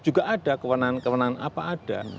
juga ada kewenangan kewenangan apa ada